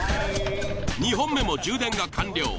２本目も充電が完了。